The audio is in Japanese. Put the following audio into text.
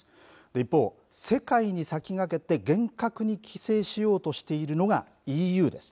一方、世界に先駆けて厳格に規制をしようとしているのがＥＵです。